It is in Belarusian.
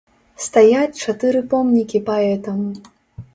Стаяць чатыры помнікі паэтам!